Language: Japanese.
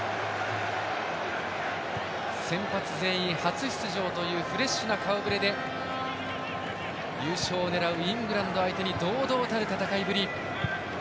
先発全員初出場というフレッシュな顔ぶれで優勝を狙うイングランド相手に堂々たる戦いぶり。